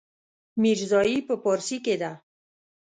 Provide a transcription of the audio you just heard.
ميرزايي په پارسي کې ده.